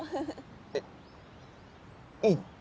えっいいの？